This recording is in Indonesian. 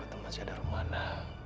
aku masih ada rumana